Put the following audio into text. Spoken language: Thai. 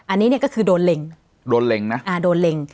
อันนี้เนี่ยก็คือโดนเล็งโดนเล็งนะอ่าโดนเล็ง